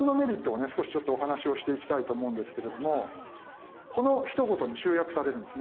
少しちょっとお話をしていきたいと思うんですけれどもこのひと言に集約されるんですね。